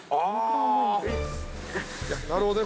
なるほどね。